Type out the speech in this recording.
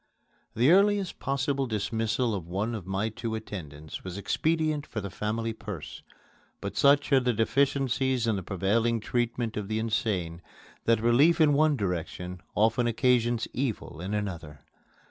The earliest possible dismissal of one of my two attendants was expedient for the family purse; but such are the deficiencies in the prevailing treatment of the insane that relief in one direction often occasions evil in another.